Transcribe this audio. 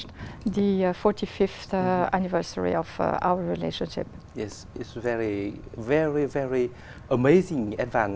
đó là một phương pháp